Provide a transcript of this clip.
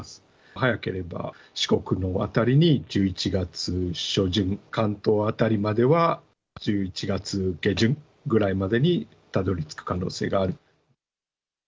早ければ、四国の辺りに１１月初旬、関東辺りまでは、１１月下旬ぐらいまでにたどりつく可能性がある。